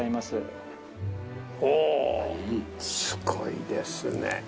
すごいですね。